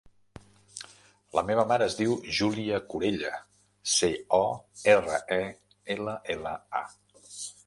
La meva mare es diu Júlia Corella: ce, o, erra, e, ela, ela, a.